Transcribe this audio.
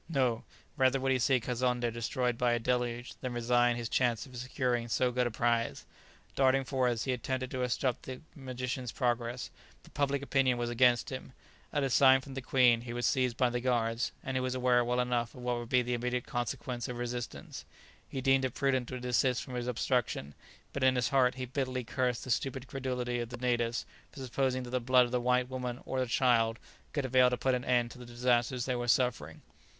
no, rather would he see Kazonndé destroyed by a deluge, than resign his chance of securing so good a prize. Darting forwards he attempted to obstruct the magician's progress; but public opinion was against him; at a sign from the queen, he was seized by the guards, and he was aware well enough of what would be the immediate consequence of resistance. He deemed it prudent to desist from his obstruction, but in his heart he bitterly cursed the stupid credulity of the natives for supposing that the blood of the white woman or the child could avail to put an end to the disasters they were suffering.